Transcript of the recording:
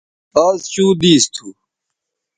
آز چوں دیس تھو